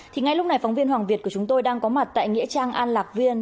thì ngay lúc này phóng viên hoàng việt của chúng tôi đang có mặt tại nghĩa trang an lạc viên